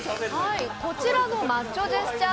こちらのマッチョジェスチャー